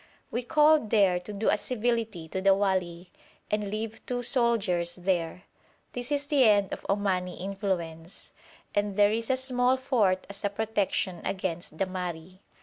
We called there to do a civility to the wali, and leave two soldiers there. This is the end of Omani influence, and there is a small fort as a protection against the Mahri.